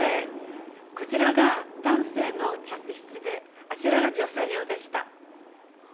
こちらが男性の客室であちらが女性用でした。